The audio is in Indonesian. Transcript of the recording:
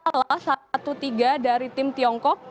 di illustrasi pemimpin kembali ke tiongkok